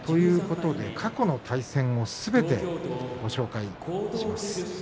過去の対戦をすべてご紹介します。